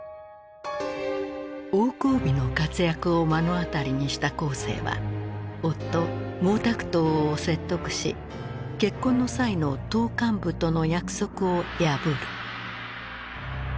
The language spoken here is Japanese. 王光美の活躍を目の当たりにした江青は夫毛沢東を説得し結婚の際の党幹部との約束を破る。